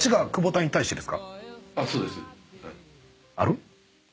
ある？